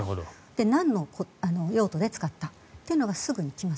なんの用途で使ったというのがすぐに来ます。